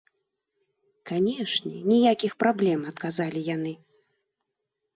Канечне, ніякіх праблем, адказалі яны.